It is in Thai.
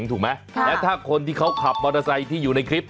ถูกไหมแล้วถ้าคนที่เขาขับมอเตอร์ไซค์ที่อยู่ในคลิป